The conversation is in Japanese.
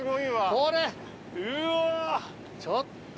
ちょっと。